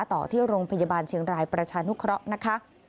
ต่อที่โรงพยาบาลเชียงรายประชานุเคราะห์นะคะ